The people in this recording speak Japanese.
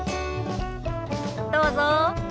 どうぞ。